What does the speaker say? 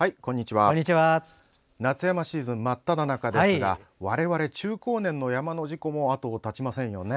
夏山シーズン真っただ中ですが我々、中高年の山の事故も後を絶ちませんよね。